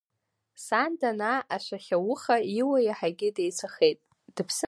Сан данаа, ашәахьа ауха, Иуа иаҳагьы деицәахеит.